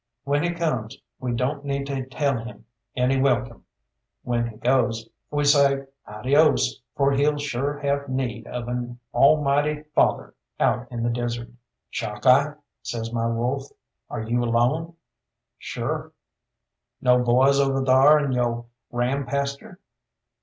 When he comes we don't need to tell him any welcome; when he goes we say, 'Adios!' for he'll sure have need of an Almighty Father out in the desert. "Chalkeye," says my wolf, "are you alone?" "Sure." "No boys over thar in yo' ram pasture?"